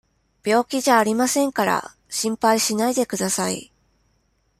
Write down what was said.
病気じゃありませんから、心配しないでください。